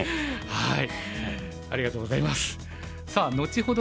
はい。